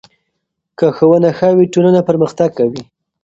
که ښوونه ښه وي، ټولنه پرمختګ کوي.